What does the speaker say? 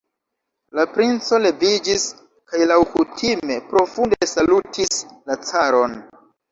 La princo leviĝis kaj laŭkutime profunde salutis la caron.